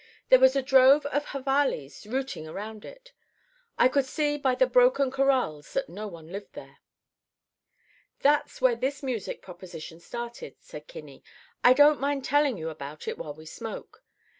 "There was a drove of javalis rooting around it. I could see by the broken corrals that no one lived there." "That's where this music proposition started," said Kinney. "I don't mind telling you about it while we smoke.